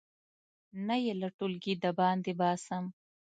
نه یې له ټولګي د باندې باسم.